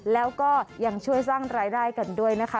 แล้วก็ยังช่วยสร้างรายได้กันด้วยนะคะ